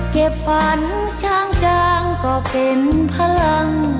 เก็บพันธุ์จางก็เป็นพลัง